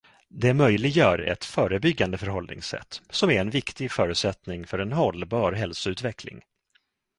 Det möjliggör ett förebyggande förhållningssätt som är en viktig förutsättning för en hållbar hälsoutveckling.